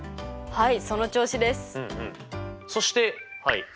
はい。